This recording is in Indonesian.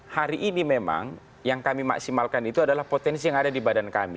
hari ini memang yang kami maksimalkan itu adalah potensi yang ada di badan kami